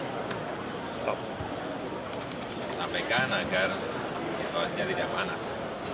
sampaikan agar itu harusnya tidak panas